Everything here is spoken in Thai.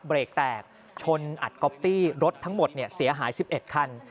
เบรกแตกชนอัดก๊อปตี้รถทั้งหมดเนี่ยเสียหายสิบเอ็ดคัน